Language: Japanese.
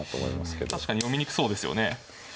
確かに読みにくそうですよね。